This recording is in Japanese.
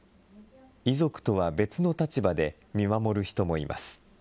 遺族とは別の立場で見守る人もいます。